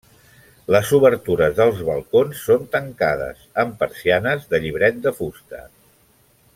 Les obertures dels balcons són tancades amb persianes de llibret de fusta.